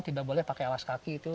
tidak boleh pakai alas kaki itu